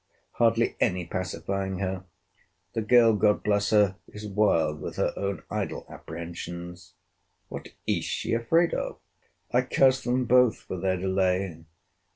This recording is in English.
Hardly any pacifying her! The girl, God bless her! is wild with her own idle apprehensions! What is she afraid of? I curse them both for their delay.